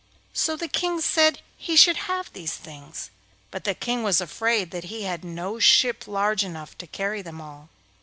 So the King said he should have these things, but the King was afraid that he had no ship large enough to carry them all.